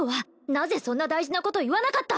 なぜそんな大事なこと言わなかった？